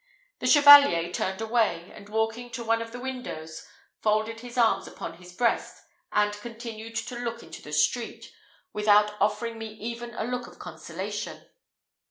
The Chevalier turned away, and walking to one of the windows, folded his arms upon his breast, and continued to look into the street, without offering me even a look of consolation.